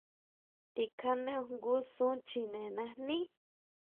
Tikjaneo jngu sún chjine najní.